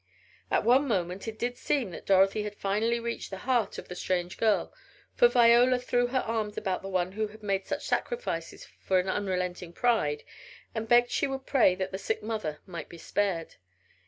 At one moment it did seem that Dorothy had finally reached the heart of the strange girl, for Viola threw her arms about the one who had made such sacrifices for an unrelenting pride, and begged she would pray that the sick mother might be spared.